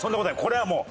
これはもう。